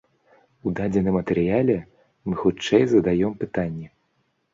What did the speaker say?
У дадзеным матэрыяле мы, хутчэй, задаём пытанні.